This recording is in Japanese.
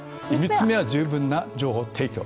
３つ目は十分な情報提供。